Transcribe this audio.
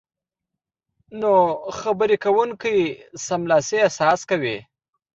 نو خبرې کوونکی سملاسي احساس کوي